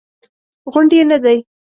غونډ یې نه دی.